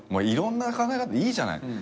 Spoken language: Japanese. いろんな考え方でいいじゃない。